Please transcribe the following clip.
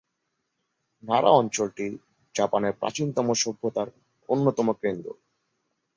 নারা অঞ্চলটি জাপানের প্রাচীনতম সভ্যতার অন্যতম কেন্দ্র।